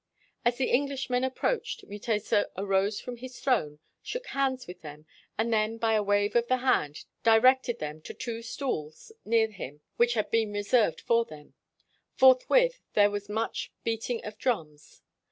As the Englishmen approached, Mutesa arose from his throne, shook hands with them, and then by a wave of the hand di rected them to two stools near him which 76 RECEPTION AT THE ROYAL PALACE had been reserved for them. Forthwith there was much beating of drums.